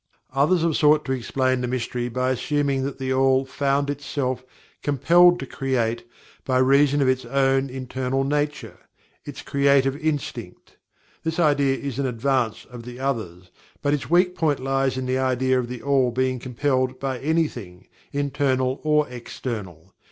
Others have sought to explain the mystery by assuming that THE ALL found itself "compelled" to create, by reason of its own "internal nature" its "creative instinct." This idea is in advance of the others, but its weak point lies in the idea of THE ALL being "compelled" by anything, internal or external.